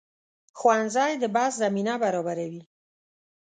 ښوونځی د بحث زمینه برابروي